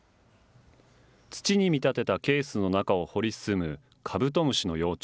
土に見立てたケースの中を掘り進むカブトムシの幼虫。